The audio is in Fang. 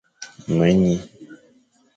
Me nyi,